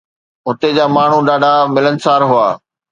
هتي جا ماڻهو ڏاڍا ملنسار هئا.